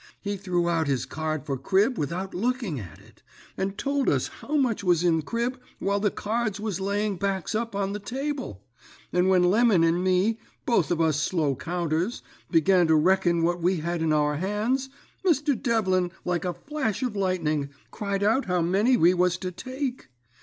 He threw out his card for crib without looking at it, and told us how much was in crib while the cards was laying backs up on the table; and when Lemon and me, both of us slow counters, began to reckon what we had in our hands, Mr. Devlin, like a flash of lightning, cried out how many we was to take.